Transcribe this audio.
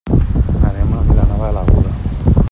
Anem a Vilanova de l'Aguda.